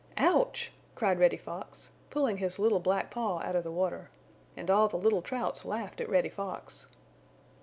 "Ouch!" cried Reddy Fox, pulling his little black paw out of the water. And all the little Trouts laughed at Reddy Fox.